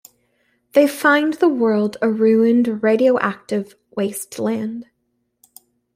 They find the world a ruined radioactive wasteland.